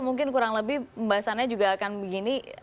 mungkin kurang lebih pembahasannya juga akan begini